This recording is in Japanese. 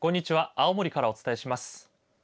青森からお伝えします。